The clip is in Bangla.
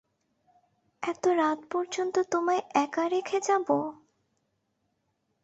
এত রাত পর্যন্ত তোমায় একা রেখে যাব?